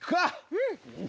うん。